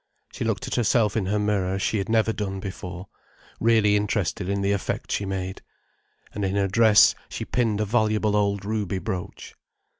She looked at herself in her mirror as she had never done before, really interested in the effect she made. And in her dress she pinned a valuable old ruby brooch.